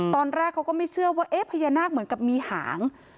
ตอนแรกเขาก็ไม่เชื่อว่าเอ๊ะพญานาคเหมือนกับมีหาง